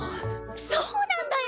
そうなんだよ。